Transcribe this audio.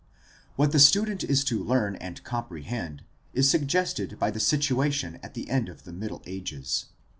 — What the student is to learn and comprehend is suggested by the situation at the end of the Middle Ages.